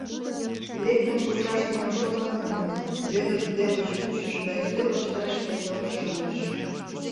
Лектын куржаш кынел шогалынам ыле, Вӧдыр кидем гыч кучыш да ӱстел ваштареш теҥгылыш шындыш.